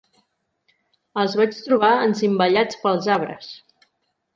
Els vaig trobar encimbellats pels arbres.